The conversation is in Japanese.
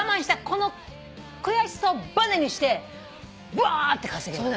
この悔しさをばねにしてばーって稼げば。